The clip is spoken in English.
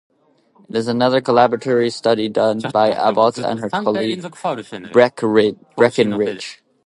It is another collaboratory study done by Abbott and her colleague Breckinridge.